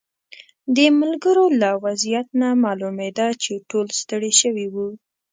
د ملګرو له وضعیت نه معلومېده چې ټول ستړي شوي وو.